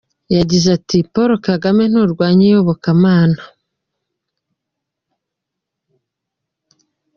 Yagize ati: “Paul Kagame, nturwanya iyobokamana.